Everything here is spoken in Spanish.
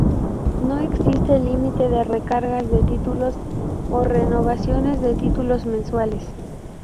No existe límite de recargas de títulos o renovaciones de títulos mensuales.